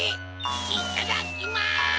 いただきます！